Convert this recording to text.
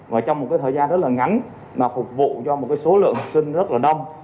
và trong một thời gian rất là ngắn mà phục vụ cho một số lượng học sinh rất là đông